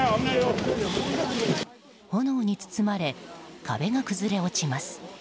炎に包まれ壁が崩れ落ちます。